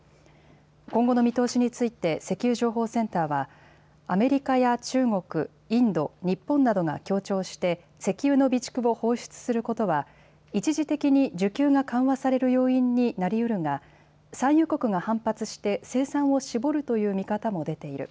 今後の見通しについて石油情報センターはアメリカや中国、インド、日本などが協調して石油の備蓄を放出することは一時的に需給が緩和される要因になり得るが産油国が反発して生産を絞るという見方も出ている。